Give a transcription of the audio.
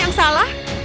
apa yang salah